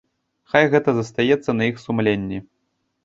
Хай гэта застаецца на іх сумленні.